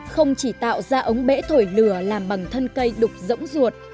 không chỉ tạo ra ống bể thổi lửa làm bằng thân cây đục rỗng ruột